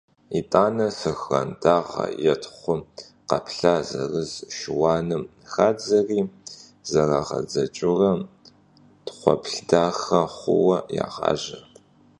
ИтӀанэ сэхуран дагъэ е тхъу къэплъа зэрыт шыуаным хадзэри, зэрагъэдзэкӀыурэ тхъуэплъ дахэ хъуху, ягъажьэ.